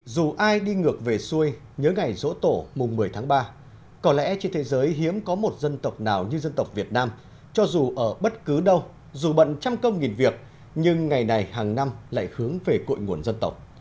dù ai đi ngược về xuôi nhớ ngày rỗ tổ mùng một mươi tháng ba có lẽ trên thế giới hiếm có một dân tộc nào như dân tộc việt nam cho dù ở bất cứ đâu dù bận trăm công nghìn việc nhưng ngày này hàng năm lại hướng về cội nguồn dân tộc